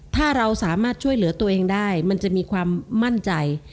ถ้าเราสามารถช่วยเหลือตัวเองได้มันจะมีความมั่นใจ